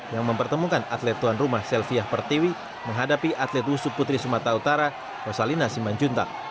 yang mempertemukan atlet tuan rumah selviah pertiwi menghadapi atlet wusu putri sumatera utara rosalina simanjuntak